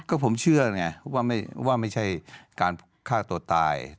ก็ผมเชื่อไงว่าไม่ใช่การฆ่าตัวตาย